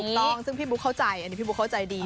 ถูกต้องซึ่งพี่บุ๊กเข้าใจพี่บุ๊กเข้าใจดี